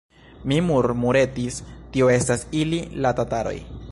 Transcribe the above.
mi murmuretis: tio estas ili, la tataroj!